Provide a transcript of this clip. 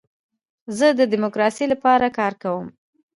زه د ډیموکراسۍ لپاره کار کوم.